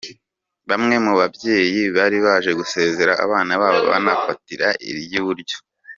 Bamwe mu babyeyi bari baje gusezera abana babo banabafatira iryiburyo.